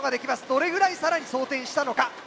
どれぐらい更に装填したのか。